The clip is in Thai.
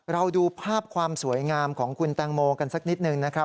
ดูภาพความสวยงามของคุณแตงโมกันสักนิดหนึ่งนะครับ